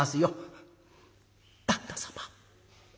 「旦那様